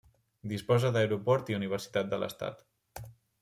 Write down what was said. Disposa d'aeroport i Universitat de l'estat.